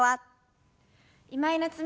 今井菜津美です。